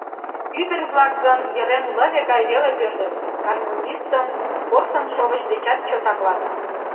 Ӱдыр-влак гын йырем лыве гай веле пӧрдыт: гармонистым порсын шовыч дечат чот аклат.